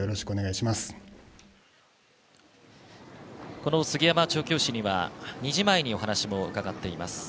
この杉山調教師には２時前にお話も伺っています。